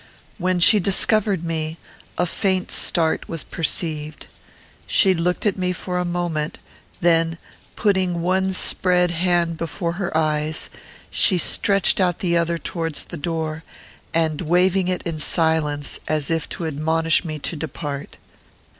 When she discovered me, a faint start was perceived. She looked at me for a moment, then, putting one spread hand before her eyes, she stretched out the other towards the door, and waving it in silence, as if to admonish me to depart.